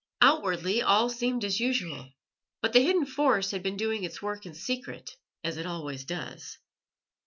Outwardly all seemed as usual, but the hidden force had been doing its work in secret as it always does.